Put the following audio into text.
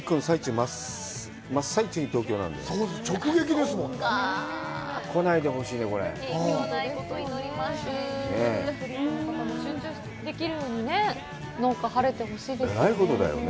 集中できるように、どうか、晴れてほしいですよね。